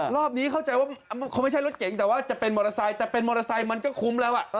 รอบนี้เข้าใจว่าคงไม่ใช่รถเก๋งแต่ว่าจะเป็นมอเตอร์ไซค์แต่เป็นมอเตอร์ไซค์มันก็คุ้มแล้ว